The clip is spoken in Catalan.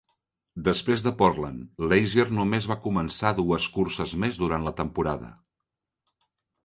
Després de Portland, Lazier només va començar dues curses més durant la temporada.